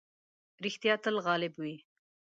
رښتيا تل غالب وي.